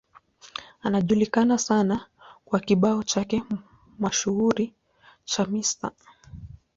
Anajulikana sana kwa kibao chake mashuhuri cha Mr.